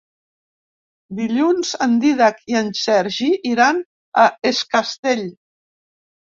Dilluns en Dídac i en Sergi iran a Es Castell.